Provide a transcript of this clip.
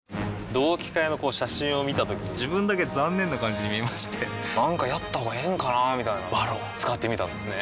同期会の写真を見たときに自分だけ残念な感じに見えましてなんかやったほうがええんかなーみたいな「ＶＡＲＯＮ」使ってみたんですね